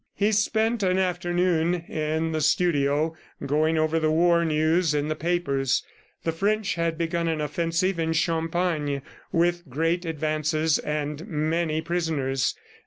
He spent an afternoon in the studio going over the war news in the papers. The French had begun an offensive in Champagne with great advances and many prisoners.